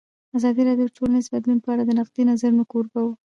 ازادي راډیو د ټولنیز بدلون په اړه د نقدي نظرونو کوربه وه.